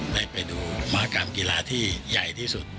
ได้ไปดูมหากรรมกีฬาที่ใหญ่ที่สุด